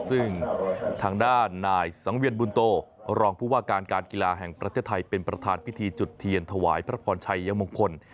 ซึ่งทางด้านนายสังเวียนบุญโตรองผู้ว่าการการกีฬาแห่งประเทศไทยเป็นประธานพิธีจุดเทียนถวายพระพรชัยมงคล